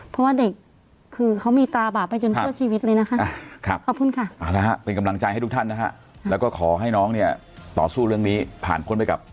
เพราะว่าเด็กคือเขามีตราบาปไปจนชั่วชีวิตเลยนะคะ